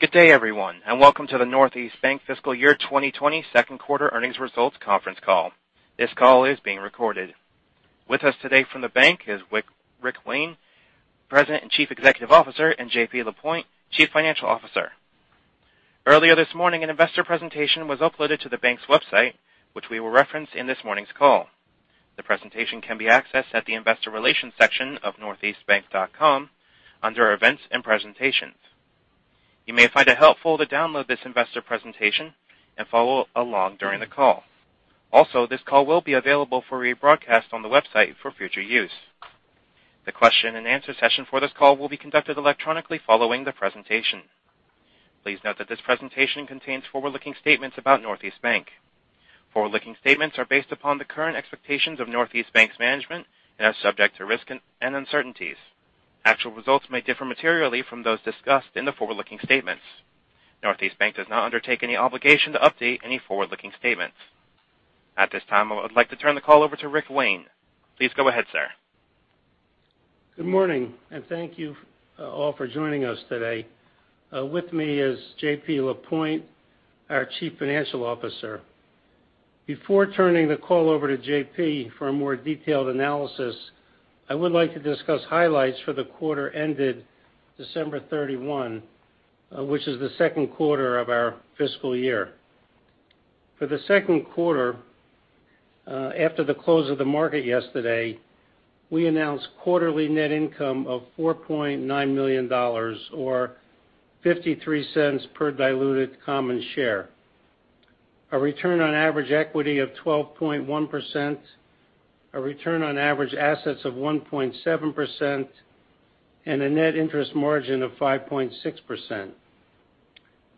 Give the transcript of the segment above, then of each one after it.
Good day, everyone, welcome to the Northeast Bank Fiscal Year 2020 second quarter earnings results conference call. This call is being recorded. With us today from the bank is Richard Wayne, President and Chief Executive Officer, and Jean-Pierre Lapointe, Chief Financial Officer. Earlier this morning, an investor presentation was uploaded to the bank's website, which we will reference in this morning's call. The presentation can be accessed at the investor relations section of northeastbank.com under events and presentations. You may find it helpful to download this investor presentation and follow along during the call. Also, this call will be available for rebroadcast on the website for future use. The question-and-answer session for this call will be conducted electronically following the presentation. Please note that this presentation contains forward-looking statements about Northeast Bank. Forward-looking statements are based upon the current expectations of Northeast Bank's management and are subject to risk and uncertainties. Actual results may differ materially from those discussed in the forward-looking statements. Northeast Bank does not undertake any obligation to update any forward-looking statements. At this time, I would like to turn the call over to Richard Wayne. Please go ahead, sir. Good morning. Thank you all for joining us today. With me is JP Lapointe, our Chief Financial Officer. Before turning the call over to JP for a more detailed analysis, I would like to discuss highlights for the quarter ended December 31, which is the second quarter of our fiscal year. For the second quarter, after the close of the market yesterday, we announced quarterly net income of $4.9 million, or $0.53 per diluted common share, a return on average equity of 12.1%, a return on average assets of 1.7%, and a net interest margin of 5.6%.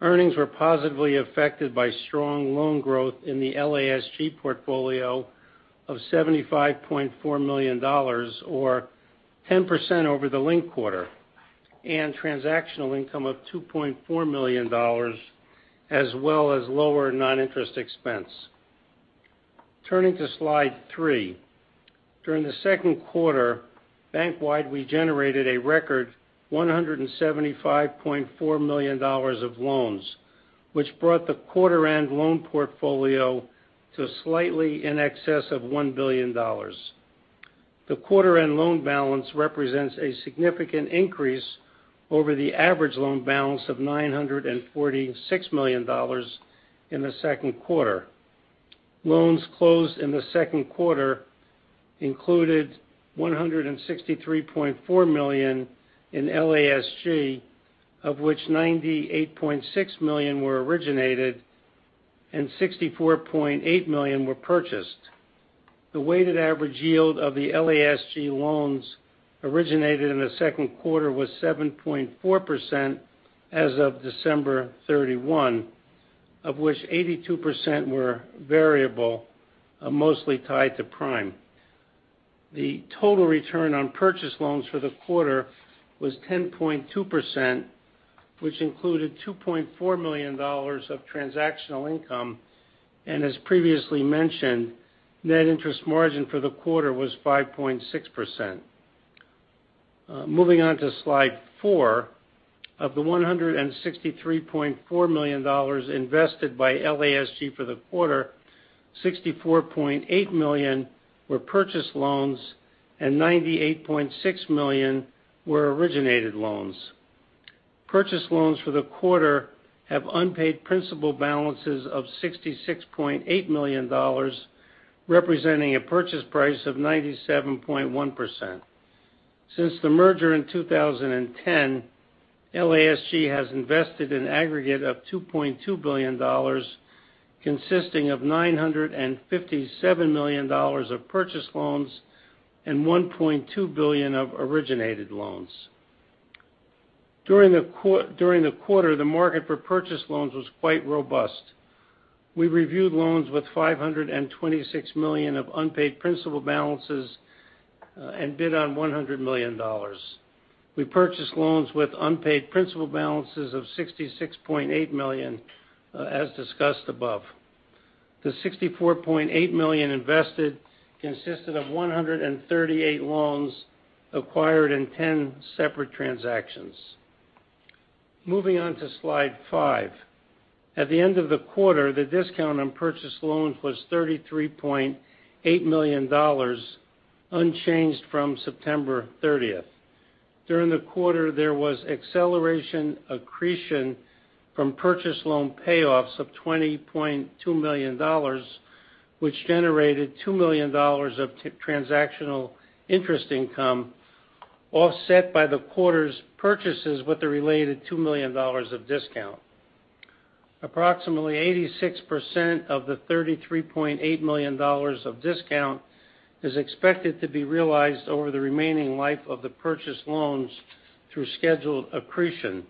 Earnings were positively affected by strong loan growth in the LASG portfolio of $75.4 million, or 10% over the linked quarter, and transactional income of $2.4 million, as well as lower non-interest expense. Turning to slide three. During the second quarter, bank-wide, we generated a record $175.4 million of loans, which brought the quarter-end loan portfolio to slightly in excess of $1 billion. The quarter-end loan balance represents a significant increase over the average loan balance of $946 million in the second quarter. Loans closed in the second quarter included $163.4 million in LASG, of which $98.6 million were originated and $64.8 million were purchased. The weighted average yield of the LASG loans originated in the second quarter was 7.4% as of December 31, of which 82% were variable, mostly tied to Prime. The total return on purchase loans for the quarter was 10.2%, which included $2.4 million of transactional income, and as previously mentioned, net interest margin for the quarter was 5.6%. Moving on to slide four. Of the $163.4 million invested by LASG for the quarter, $64.8 million were purchase loans and $98.6 million were originated loans. Purchase loans for the quarter have unpaid principal balances of $66.8 million, representing a purchase price of 97.1%. Since the merger in 2010, LASG has invested an aggregate of $2.2 billion, consisting of $957 million of purchase loans and $1.2 billion of originated loans. During the quarter, the market for purchase loans was quite robust. We reviewed loans with $526 million of unpaid principal balances and bid on $100 million. We purchased loans with unpaid principal balances of $66.8 million, as discussed above. The $64.8 million invested consisted of 138 loans acquired in 10 separate transactions. Moving on to slide five. At the end of the quarter, the discount on purchase loans was $33.8 million, unchanged from September 30th. During the quarter, there was acceleration accretion from purchase loan payoffs of $20.2 million, which generated $2 million of transactional interest income, offset by the quarter's purchases with the related $2 million of discount. Approximately 86% of the $33.8 million of discount is expected to be realized over the remaining life of the purchase loans through scheduled accretion.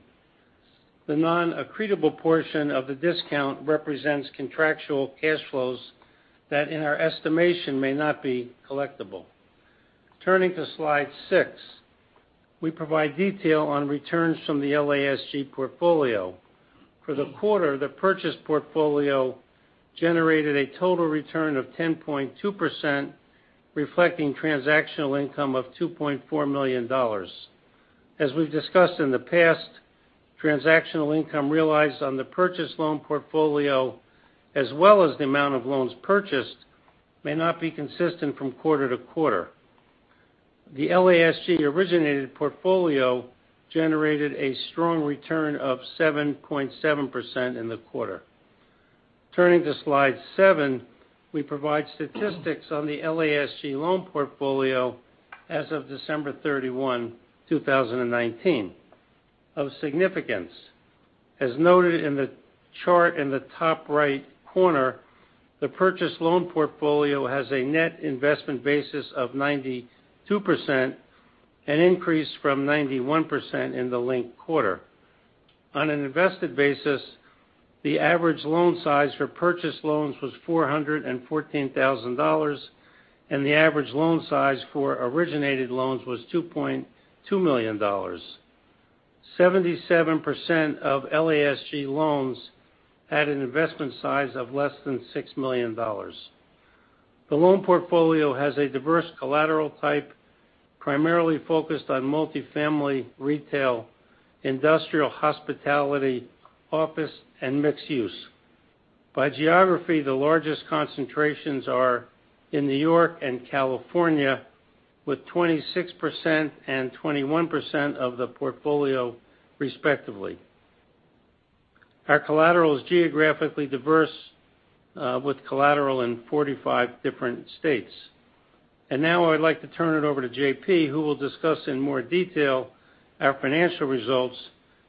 The non-accretable portion of the discount represents contractual cash flows that, in our estimation, may not be collectible. Turning to slide six. We provide detail on returns from the LASG portfolio. For the quarter, the purchase portfolio generated a total return of 10.2%, reflecting transactional income of $2.4 million. As we've discussed in the past, transactional income realized on the purchase loan portfolio, as well as the amount of loans purchased, may not be consistent from quarter-to-quarter. The LASG-originated portfolio generated a strong return of 7.7% in the quarter. Turning to slide seven, we provide statistics on the LASG loan portfolio as of December 31, 2019. Of significance, as noted in the chart in the top right corner, the purchase loan portfolio has a net investment basis of 92%, an increase from 91% in the linked quarter. On an invested basis, the average loan size for purchased loans was $414,000, and the average loan size for originated loans was $2.2 million. 77% of LASG loans had an investment size of less than $6 million. The loan portfolio has a diverse collateral type, primarily focused on multifamily, retail, industrial, hospitality, office, and mixed use. By geography, the largest concentrations are in New York and California, with 26% and 21% of the portfolio respectively. Our collateral is geographically diverse, with collateral in 45 different states. Now I'd like to turn it over to JP, who will discuss in more detail our financial results,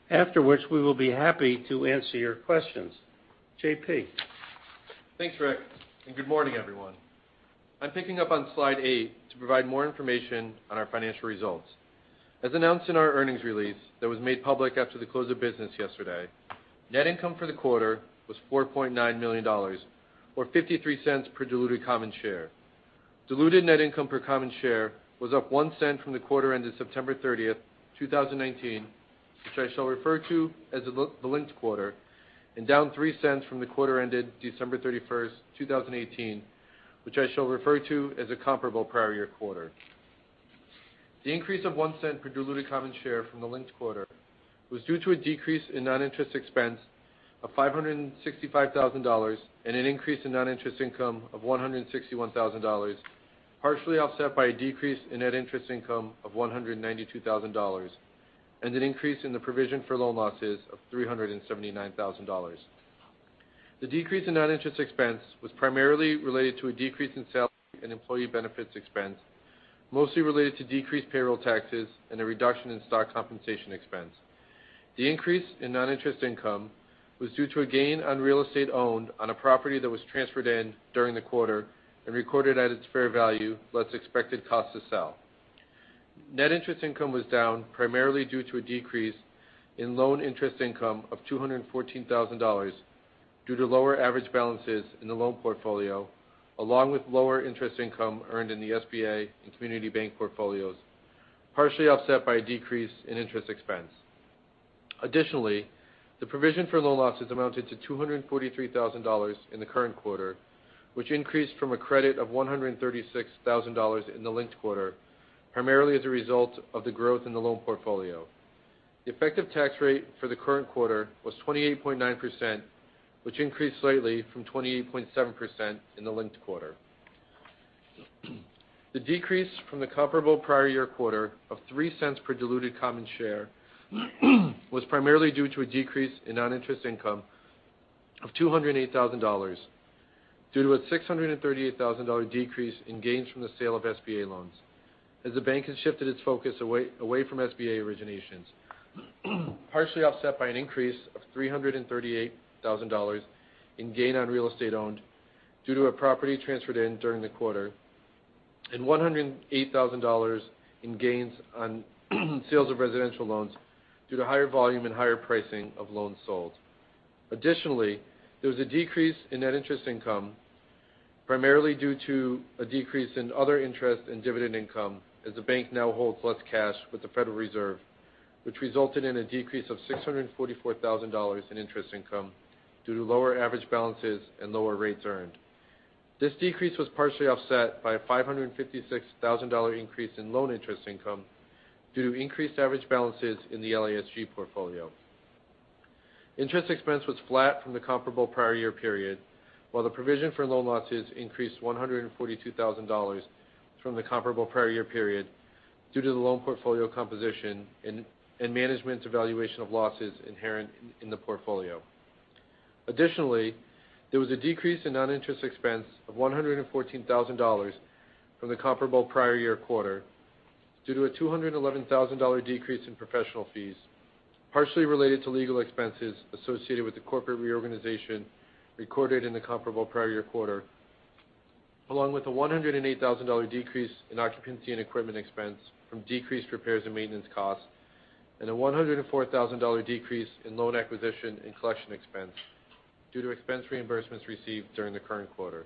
after which we will be happy to answer your questions. JP? Thanks, Rick. Good morning, everyone. I'm picking up on slide eight to provide more information on our financial results. As announced in our earnings release that was made public after the close of business yesterday, net income for the quarter was $4.9 million, or $0.53 per diluted common share. Diluted net income per common share was up $0.01 from the quarter ended September 30, 2019, which I shall refer to as the linked quarter, and down $0.03 from the quarter ended December 31, 2018, which I shall refer to as the comparable prior year quarter. The increase of $0.01 per diluted common share from the linked quarter was due to a decrease in non-interest expense of $565,000 and an increase in non-interest income of $161,000, partially offset by a decrease in net interest income of $192,000 and an increase in the provision for loan losses of $379,000. The decrease in non-interest expense was primarily related to a decrease in salary and employee benefits expense, mostly related to decreased payroll taxes and a reduction in stock compensation expense. The increase in non-interest income was due to a gain on real estate owned on a property that was transferred in during the quarter and recorded at its fair value, less expected cost to sell. Net interest income was down primarily due to a decrease in loan interest income of $214,000 due to lower average balances in the loan portfolio, along with lower interest income earned in the SBA and community bank portfolios, partially offset by a decrease in interest expense. Additionally, the provision for loan losses amounted to $243,000 in the current quarter, which increased from a credit of $136,000 in the linked quarter, primarily as a result of the growth in the loan portfolio. The effective tax rate for the current quarter was 28.9%, which increased slightly from 28.7% in the linked quarter. The decrease from the comparable prior year quarter of $0.03 per diluted common share was primarily due to a decrease in non-interest income of $208,000 due to a $638,000 decrease in gains from the sale of SBA loans as the bank has shifted its focus away from SBA originations, partially offset by an increase of $338,000 in gain on real estate owned due to a property transferred in during the quarter and $108,000 in gains on sales of residential loans due to higher volume and higher pricing of loans sold. Additionally, there was a decrease in net interest income, primarily due to a decrease in other interest and dividend income as the bank now holds less cash with the Federal Reserve, which resulted in a decrease of $644,000 in interest income due to lower average balances and lower rates earned. This decrease was partially offset by a $556,000 increase in loan interest income due to increased average balances in the LASG portfolio. Interest expense was flat from the comparable prior year period, while the provision for loan losses increased $142,000 from the comparable prior year period due to the loan portfolio composition and management's evaluation of losses inherent in the portfolio. Additionally, there was a decrease in non-interest expense of $114,000 from the comparable prior year quarter due to a $211,000 decrease in professional fees, partially related to legal expenses associated with the corporate reorganization recorded in the comparable prior year quarter, along with a $108,000 decrease in occupancy and equipment expense from decreased repairs and maintenance costs and a $104,000 decrease in loan acquisition and collection expense due to expense reimbursements received during the current quarter.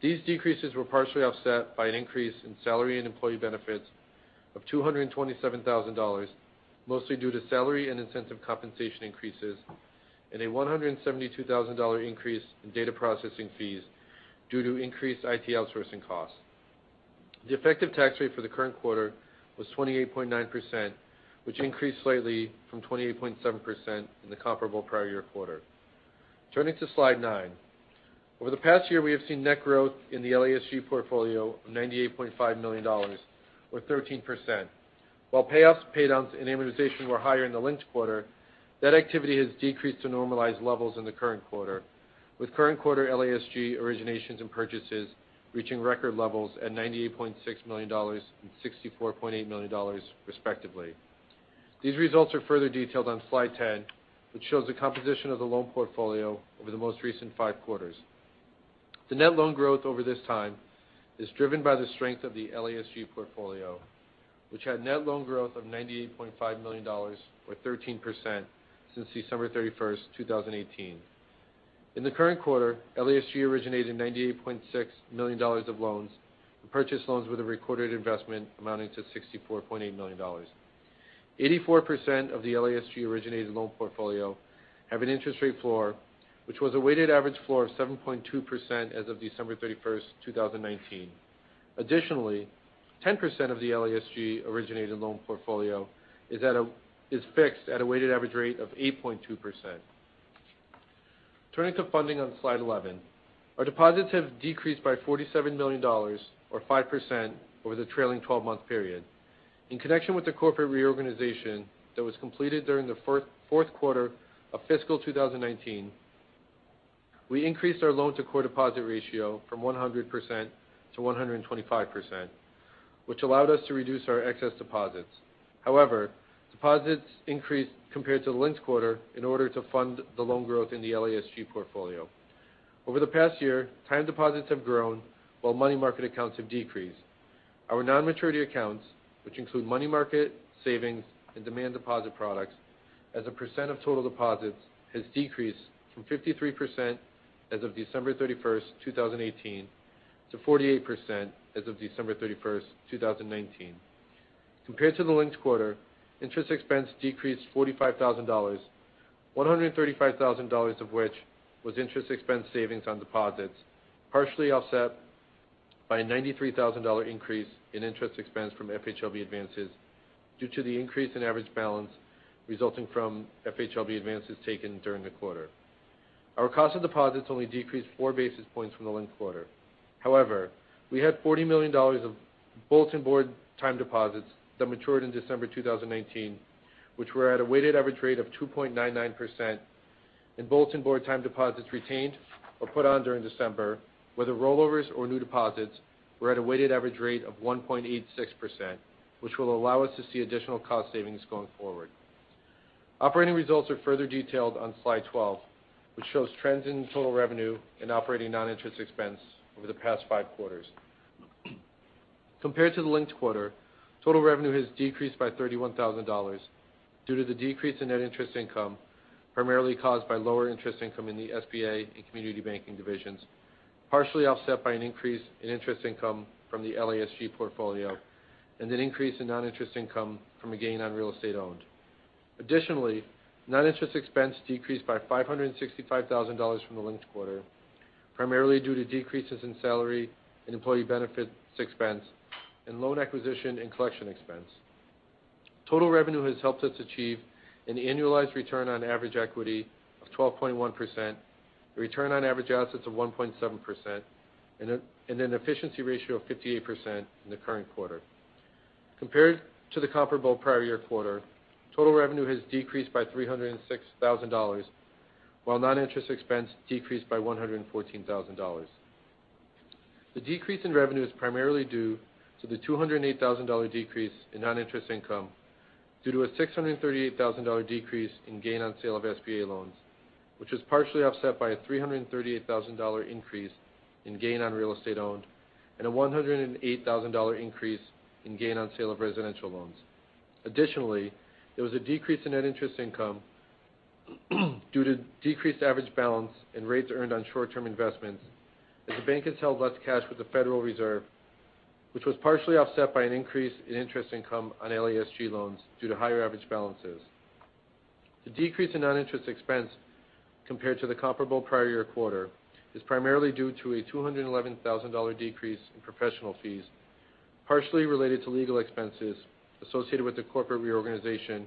These decreases were partially offset by an increase in salary and employee benefits of $227,000, mostly due to salary and incentive compensation increases and a $172,000 increase in data processing fees due to increased IT outsourcing costs. The effective tax rate for the current quarter was 28.9%, which increased slightly from 28.7% in the comparable prior year quarter. Turning to slide nine. Over the past year, we have seen net growth in the LASG portfolio of $98.5 million or 13%. While payoffs, paydowns, and amortization were higher in the linked quarter, that activity has decreased to normalized levels in the current quarter, with current quarter LASG originations and purchases reaching record levels at $98.6 million and $64.8 million respectively. These results are further detailed on slide 10, which shows the composition of the loan portfolio over the most recent five quarters. The net loan growth over this time is driven by the strength of the LASG portfolio, which had net loan growth of $98.5 million, or 13%, since December 31st, 2018. In the current quarter, LASG originated $98.6 million of loans and purchased loans with a recorded investment amounting to $64.8 million. 84% of the LASG-originated loan portfolio have an interest rate floor, which was a weighted average floor of 7.2% as of December 31st, 2019. Additionally, 10% of the LASG-originated loan portfolio is fixed at a weighted average rate of 8.2%. Turning to funding on slide 11. Our deposits have decreased by $47 million, or 5%, over the trailing 12-month period. In connection with the corporate reorganization that was completed during the fourth quarter of fiscal 2019, we increased our loan-to-core deposit ratio from 100%-125%, which allowed us to reduce our excess deposits. However, deposits increased compared to the linked quarter in order to fund the loan growth in the LASG portfolio. Over the past year, time deposits have grown while money market accounts have decreased. Our non-maturity accounts, which include money market, savings, and demand deposit products, as a percent of total deposits, has decreased from 53% as of December 31st, 2018, to 48% as of December 31st, 2019. Compared to the linked quarter, interest expense decreased $45,000, $135,000 of which was interest expense savings on deposits, partially offset by a $93,000 increase in interest expense from FHLB advances due to the increase in average balance resulting from FHLB advances taken during the quarter. Our cost of deposits only decreased four basis points from the linked quarter. We had $40 million of bulletin board time deposits that matured in December 2019, which were at a weighted average rate of 2.99%, and bulletin board time deposits retained or put on during December, whether rollovers or new deposits, were at a weighted average rate of 1.86%, which will allow us to see additional cost savings going forward. Operating results are further detailed on slide 12, which shows trends in total revenue and operating non-interest expense over the past five quarters. Compared to the linked quarter, total revenue has decreased by $31,000 due to the decrease in net interest income, primarily caused by lower interest income in the SBA and community banking divisions, partially offset by an increase in interest income from the LASG portfolio and an increase in non-interest income from a gain on real estate owned. Additionally, non-interest expense decreased by $565,000 from the linked quarter, primarily due to decreases in salary and employee benefits expense and loan acquisition and collection expense. Total revenue has helped us achieve an annualized return on average equity of 12.1%, a return on average assets of 1.7%, and an efficiency ratio of 58% in the current quarter. Compared to the comparable prior year quarter, total revenue has decreased by $306,000, while non-interest expense decreased by $114,000. The decrease in revenue is primarily due to the $208,000 decrease in non-interest income due to a $638,000 decrease in gain on sale of SBA loans, which was partially offset by a $338,000 increase in gain on real estate owned and a $108,000 increase in gain on sale of residential loans. Additionally, there was a decrease in net interest income due to decreased average balance and rates earned on short-term investments as the bank has held less cash with the Federal Reserve, which was partially offset by an increase in interest income on LASG loans due to higher average balances. The decrease in non-interest expense compared to the comparable prior year quarter is primarily due to a $211,000 decrease in professional fees, partially related to legal expenses associated with the corporate reorganization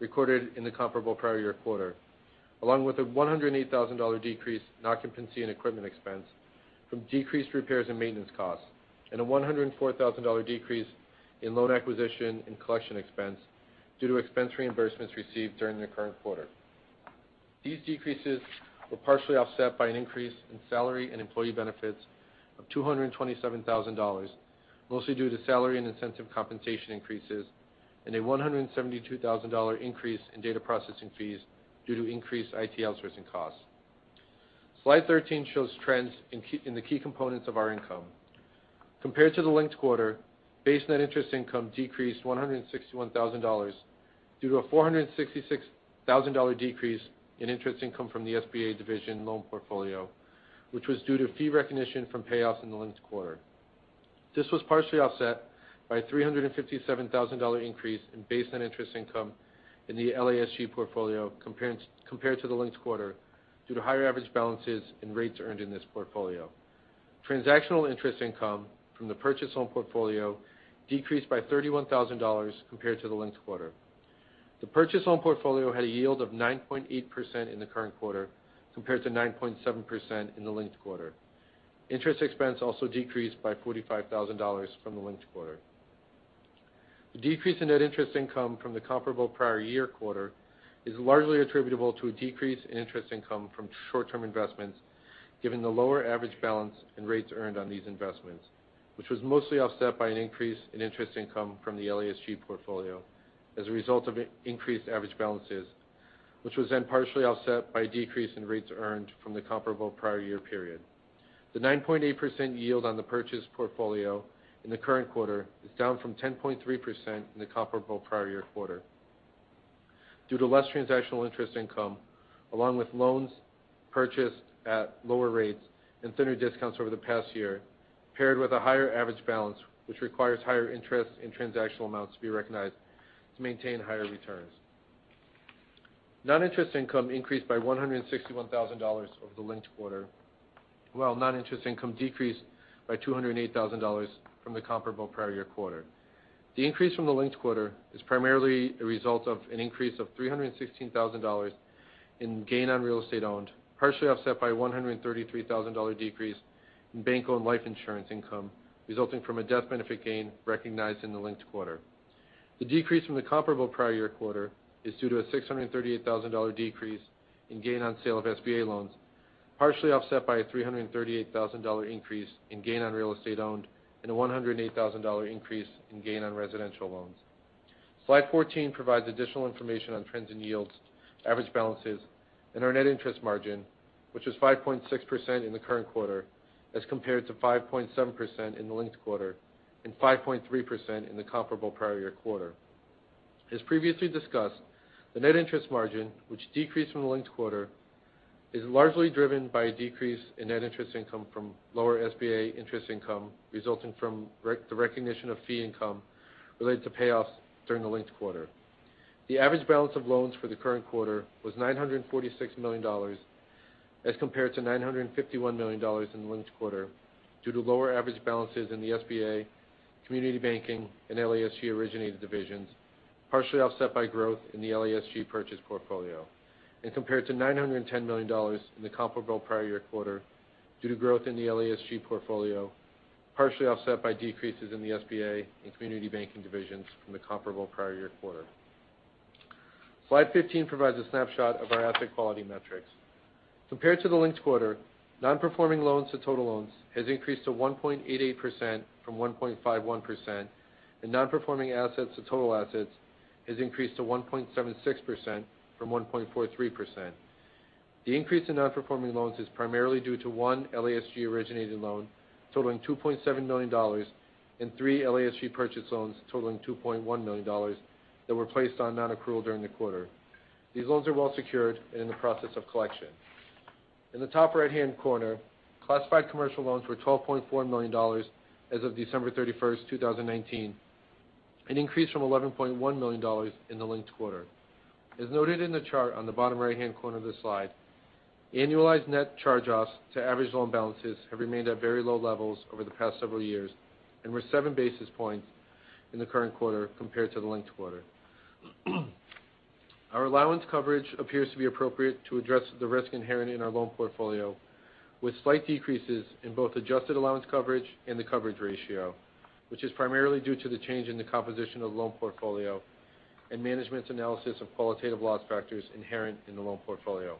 recorded in the comparable prior year quarter, along with a $108,000 decrease in occupancy and equipment expense from decreased repairs and maintenance costs and a $104,000 decrease in loan acquisition and collection expense due to expense reimbursements received during the current quarter. These decreases were partially offset by an increase in salary and employee benefits of $227,000, mostly due to salary and incentive compensation increases, and a $172,000 increase in data processing fees due to increased IT outsourcing costs. Slide 13 shows trends in the key components of our income. Compared to the linked quarter, base net interest income decreased $161,000 due to a $466,000 decrease in interest income from the SBA division loan portfolio, which was due to fee recognition from payoffs in the linked quarter. This was partially offset by a $357,000 increase in base net interest income in the LASG portfolio compared to the linked quarter due to higher average balances and rates earned in this portfolio. Transactional interest income from the purchase loan portfolio decreased by $31,000 compared to the linked quarter. The purchase loan portfolio had a yield of 9.8% in the current quarter, compared to 9.7% in the linked quarter. Interest expense also decreased by $45,000 from the linked quarter. The decrease in net interest income from the comparable prior year quarter is largely attributable to a decrease in interest income from short-term investments, given the lower average balance and rates earned on these investments, which was mostly offset by an increase in interest income from the LASG portfolio as a result of increased average balances, which was then partially offset by a decrease in rates earned from the comparable prior year period. The 9.8% yield on the purchase portfolio in the current quarter is down from 10.3% in the comparable prior year quarter due to less transactional interest income, along with loans purchased at lower rates and thinner discounts over the past year, paired with a higher average balance, which requires higher interest in transactional amounts to be recognized to maintain higher returns. Non-interest income increased by $161,000 over the linked quarter, while non-interest income decreased by $208,000 from the comparable prior year quarter. The increase from the linked quarter is primarily a result of an increase of $316,000 in gain on real estate owned, partially offset by $133,000 decrease in bank-owned life insurance income, resulting from a death benefit gain recognized in the linked quarter. The decrease from the comparable prior year quarter is due to a $638,000 decrease in gain on sale of SBA loans, partially offset by a $338,000 increase in gain on real estate owned and a $108,000 increase in gain on residential loans. Slide 14 provides additional information on trends in yields, average balances, and our net interest margin, which is 5.6% in the current quarter as compared to 5.7% in the linked quarter and 5.3% in the comparable prior year quarter. As previously discussed, the net interest margin, which decreased from the linked quarter, is largely driven by a decrease in net interest income from lower SBA interest income resulting from the recognition of fee income related to payoffs during the linked quarter. The average balance of loans for the current quarter was $946 million as compared to $951 million in the linked quarter due to lower average balances in the SBA, community banking, and LASG originated divisions, partially offset by growth in the LASG purchase portfolio. Compared to $910 million in the comparable prior year quarter due to growth in the LASG portfolio, partially offset by decreases in the SBA and community banking divisions from the comparable prior year quarter. Slide 15 provides a snapshot of our asset quality metrics. Compared to the linked quarter, non-performing loans to total loans has increased to 1.88% from 1.51%, and non-performing assets to total assets has increased to 1.76% from 1.43%. The increase in non-performing loans is primarily due to one LASG originated loan totaling $2.7 million and three LASG purchase loans totaling $2.1 million that were placed on non-accrual during the quarter. These loans are well secured and in the process of collection. In the top right-hand corner, classified commercial loans were $12.4 million as of December 31st, 2019, an increase from $11.1 million in the linked quarter. As noted in the chart on the bottom right-hand corner of the slide, annualized net charge-offs to average loan balances have remained at very low levels over the past several years and were seven basis points in the current quarter compared to the linked quarter. Our allowance coverage appears to be appropriate to address the risk inherent in our loan portfolio, with slight decreases in both adjusted allowance coverage and the coverage ratio, which is primarily due to the change in the composition of the loan portfolio and management's analysis of qualitative loss factors inherent in the loan portfolio.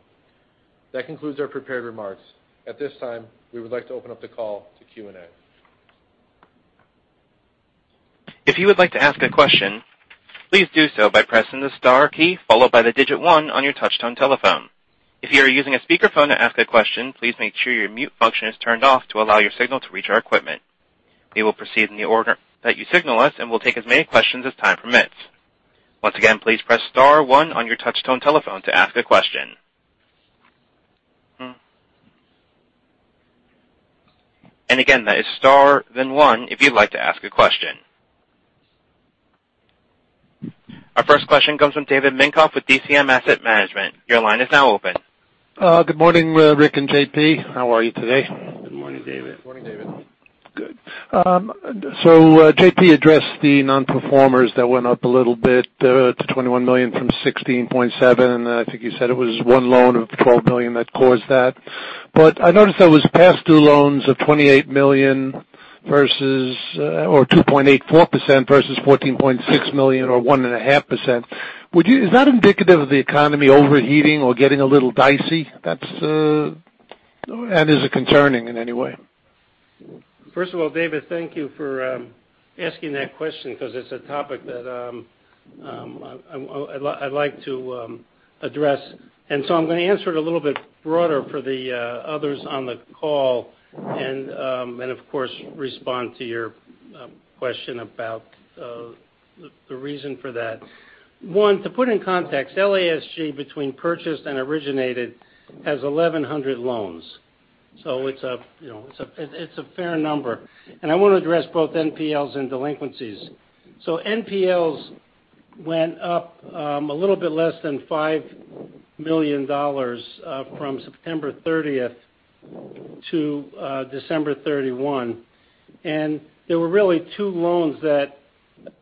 That concludes our prepared remarks. At this time, we would like to open up the call to Q&A. If you would like to ask a question, please do so by pressing the star key followed by the digit one on your touchtone telephone. If you are using a speakerphone to ask a question, please make sure your mute function is turned off to allow your signal to reach our equipment. We will proceed in the order that you signal us and we'll take as many questions as time permits. Once again, please press star one on your touchtone telephone to ask a question. Again, that is star, then one if you'd like to ask a question. Our first question comes from David Minkoff with DCM Asset Management. Your line is now open. Good morning, Rick and JP. How are you today? Good morning, David. Good morning, David. Good. JP addressed the non-performers that went up a little bit to $21 million from $16.7 million, and I think you said it was one loan of $12 million that caused that. I noticed there was past due loans of $28 million versus 2.84% versus $14.6 million or 1.5%. Is that indicative of the economy overheating or getting a little dicey? Is it concerning in any way? First of all, David, thank you for. Asking that question because it's a topic that I'd like to address. I'm going to answer it a little bit broader for the others on the call and, of course, respond to your question about the reason for that. One, to put in context, LASG, between purchased and originated, has 1,100 loans. It's a fair number. I want to address both NPLs and delinquencies. NPLs went up a little bit less than $5 million from September 30th to December 31. There were really two loans that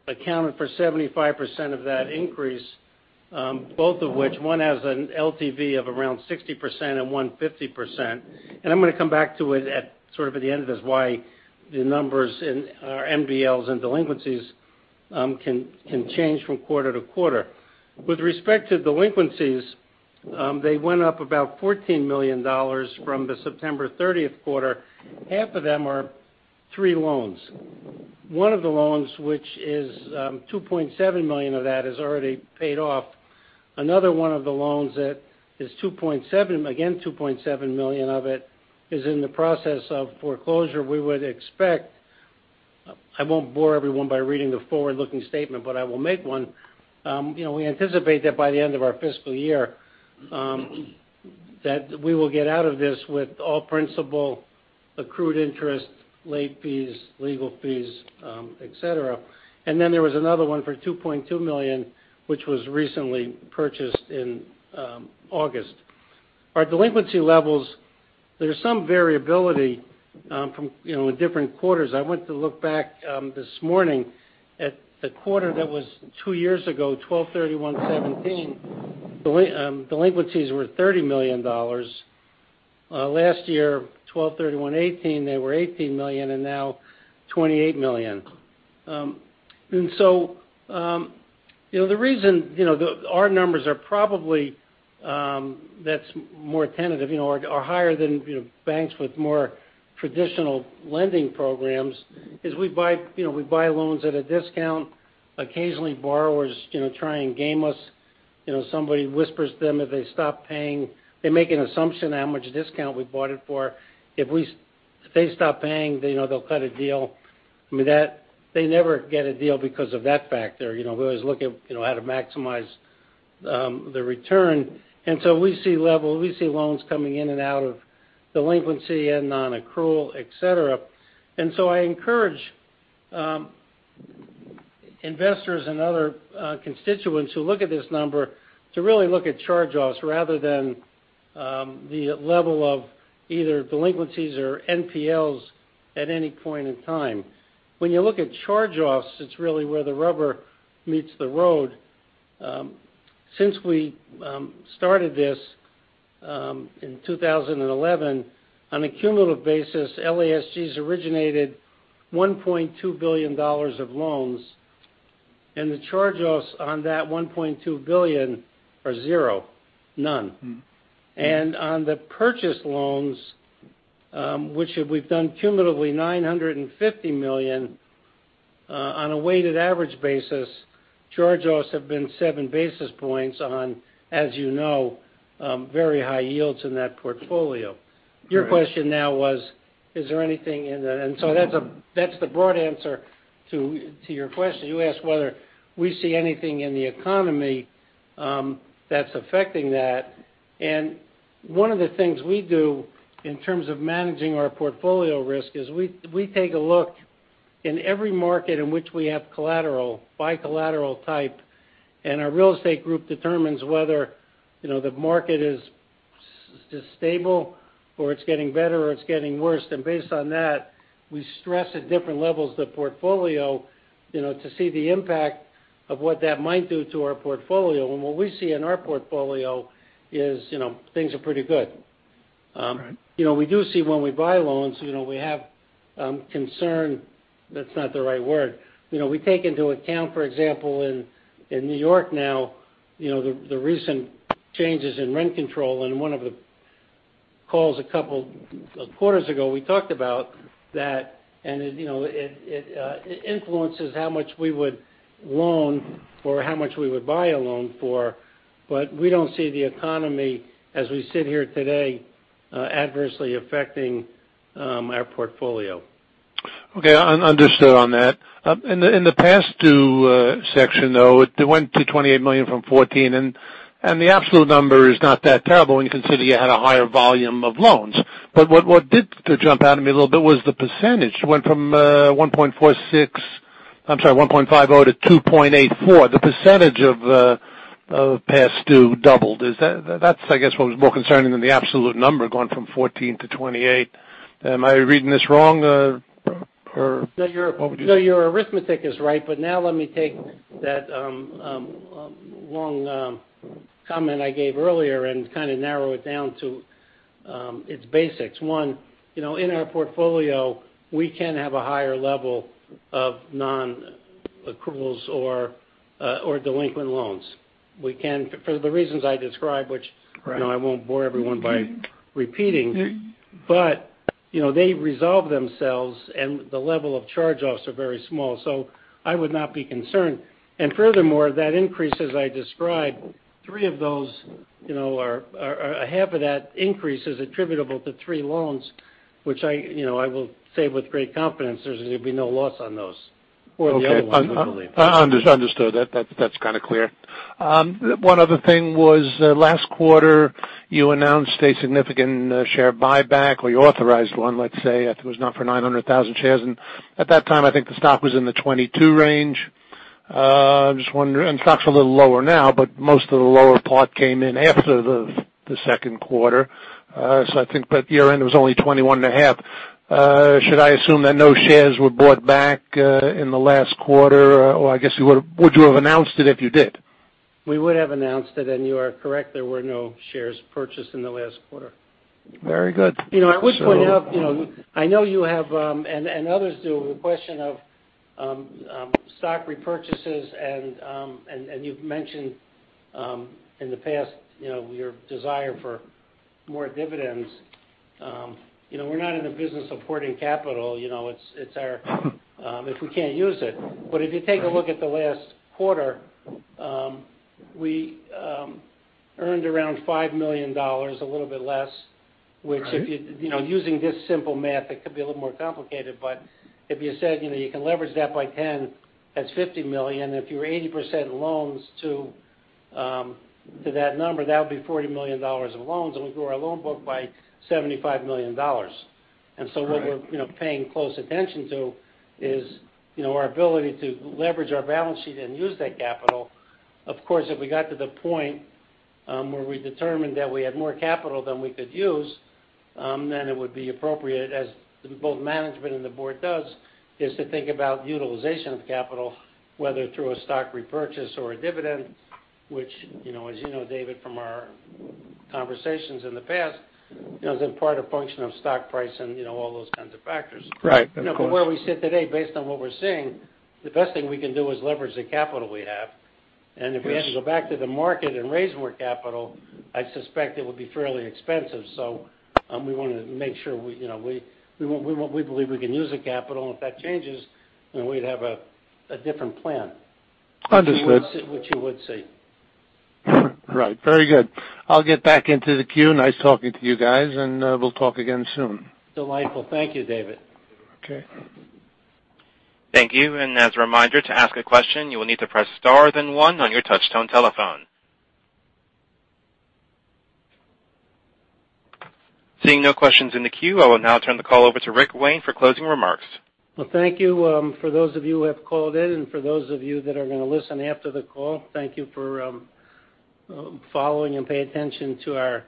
accounted for 75% of that increase. Both of which, one has an LTV of around 60% and one 50%. I'm going to come back to it at the end as why the numbers in our NPLs and delinquencies can change from quarter-to-quarter. With respect to delinquencies, they went up about $14 million from the September 30th quarter. Half of them are three loans. One of the loans, which is $2.7 million of that, is already paid off. Another one of the loans that is, again, $2.7 million of it, is in the process of foreclosure. We would expect, I won't bore everyone by reading the forward-looking statement, but I will make one. We anticipate that by the end of our fiscal year, that we will get out of this with all principal accrued interest, late fees, legal fees, et cetera. There was another one for $2.2 million, which was recently purchased in August. Our delinquency levels, there's some variability from different quarters. I went to look back this morning at the quarter that was two years ago, 12/31/2017. Delinquencies were $30 million. Last year, 12/31/2018, they were $18 million, and now $28 million. The reason our numbers are probably, that's more tentative, are higher than banks with more traditional lending programs is we buy loans at a discount. Occasionally, borrowers try and game us. Somebody whispers them if they stop paying. They make an assumption how much discount we bought it for. If they stop paying, they'll cut a deal. They never get a deal because of that factor. We always look at how to maximize the return. We see loans coming in and out of delinquency and non-accrual, et cetera. I encourage investors and other constituents who look at this number to really look at charge-offs rather than the level of either delinquencies or NPLs at any point in time. When you look at charge-offs, it's really where the rubber meets the road. Since we started this in 2011, on a cumulative basis, LASG's originated $1.2 billion of loans. The charge-offs on that $1.2 billion are zero. None. On the purchased loans, which we've done cumulatively $950 million, on a weighted average basis, charge-offs have been seven basis points on, as you know, very high yields in that portfolio. Correct. Your question now was, is there anything in that? That's the broad answer to your question. You asked whether we see anything in the economy that's affecting that. One of the things we do in terms of managing our portfolio risk is we take a look in every market in which we have collateral by collateral type, and our real estate group determines whether the market is stable or it's getting better, or it's getting worse. Based on that, we stress at different levels the portfolio to see the impact of what that might do to our portfolio. What we see in our portfolio is things are pretty good. Right. We do see when we buy loans, we have concern, that's not the right word. We take into account, for example, in New York now, the recent changes in rent control. In one of the calls a couple of quarters ago, we talked about that, and it influences how much we would loan or how much we would buy a loan for. We don't see the economy, as we sit here today, adversely affecting our portfolio. Okay. Understood on that. In the past due section, though, it went to $28 million from $14 million, and the absolute number is not that terrible when you consider you had a higher volume of loans. What did jump out at me a little bit was the percentage. It went from 1.50% to 2.84%. The percentage of past due doubled. That I guess, was more concerning than the absolute number going from 14-28. Am I reading this wrong? What would you say? No, your arithmetic is right, but now let me take that long comment I gave earlier and kind of narrow it down to its basics. One, in our portfolio, we can have a higher level of non-accruals or delinquent loans. We can, for the reasons I described. Right. I won't bore everyone by repeating. They resolve themselves. The level of charge-offs are very small. I would not be concerned. Furthermore, that increase, as I described, Half of that increase is attributable to three loans, which I will say with great confidence there's going to be no loss on those or the other ones, we believe. Understood. That's kind of clear. One other thing was, last quarter, you announced a significant share buyback, or you authorized one, let's say. It was not for 900,000 shares. At that time, I think the stock was in the 22 range. I'm just wondering. Stock's a little lower now, but most of the lower part came in after the second quarter. I think by the year-end, it was only 21 and a half. Should I assume that no shares were bought back in the last quarter? I guess, would you have announced it if you did? We would have announced it. You are correct, there were no shares purchased in the last quarter. Very good. I would point out, I know you have, and others do, a question of stock repurchases and you've mentioned in the past your desire for more dividends. We're not in the business of hoarding capital if we can't use it. If you take a look at the last quarter, we earned around $5 million, a little bit less, which if you, using this simple math, it could be a little more complicated, but if you said you can leverage that by 10, that's $50 million. If you were 80% loans to that number, that would be $40 million of loans, and we grew our loan book by $75 million. Right. What we're paying close attention to is our ability to leverage our balance sheet and use that capital. Of course, if we got to the point where we determined that we had more capital than we could use, it would be appropriate as both management and the board does, is to think about utilization of capital, whether through a stock repurchase or a dividend, which as you know, David, from our conversations in the past, is in part a function of stock price and all those kinds of factors. Right. Where we sit today, based on what we're seeing, the best thing we can do is leverage the capital we have. If we had to go back to the market and raise more capital, I suspect it would be fairly expensive. We want to make sure we believe we can use the capital. If that changes, we'd have a different plan. Understood. Which you would see. Right. Very good. I'll get back into the queue. Nice talking to you guys, and we'll talk again soon. Delightful. Thank you, David. Okay. Thank you. As a reminder, to ask a question, you will need to press star then one on your touchtone telephone. Seeing no questions in the queue, I will now turn the call over to Richard Wayne for closing remarks. Well, thank you. For those of you who have called in and for those of you that are going to listen after the call, thank you for following and paying attention to our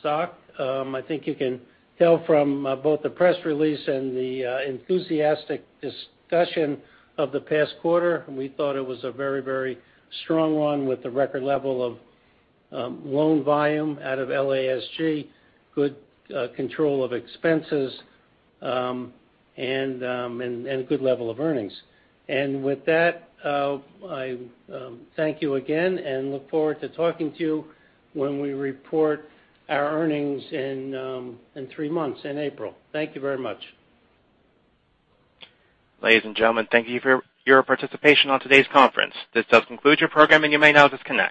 stock. I think you can tell from both the press release and the enthusiastic discussion of the past quarter. We thought it was a very strong one with the record level of loan volume out of LASG, good control of expenses, and a good level of earnings. With that, I thank you again and look forward to talking to you when we report our earnings in three months in April. Thank you very much. Ladies and gentlemen, thank you for your participation on today's conference. This does conclude your program, and you may now disconnect.